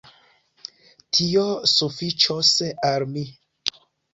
Tio sufiĉos al mi.